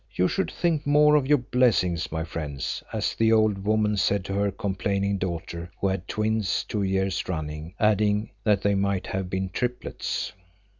You should think more of your blessings, my friends, as the old woman said to her complaining daughter who had twins two years running, adding that they might have been triplets.